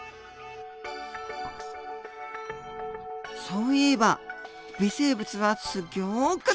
そういえば微生物はすギョく